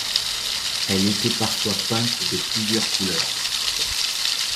Elle était parfois peinte de plusieurs couleurs.